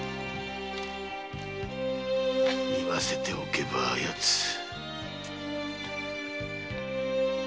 言わせておけばあやつ。